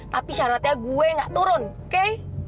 tapi syaratnya gue gak turun oke